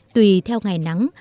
tùy theo ngày nắng